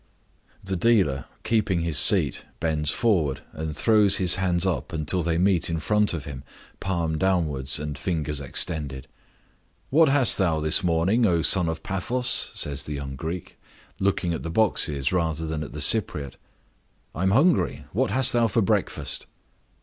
The dealer, keeping his seat, bends forward, and throws his hands up until they meet in front of him, palm downwards and fingers extended. "What hast thou, this morning, O son of Paphos?" says the young Greek, looking at the boxes rather than at the Cypriote. "I am hungry. What hast thou for breakfast?"